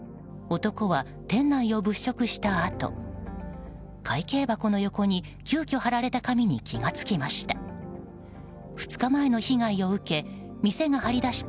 男は、店内を物色したあと会計箱の横に急きょ貼られた紙に気が付きました。